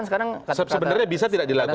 sebenarnya bisa tidak dilakukan